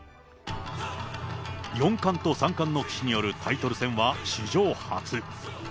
四冠と三冠の棋士によるタイトル戦は史上初。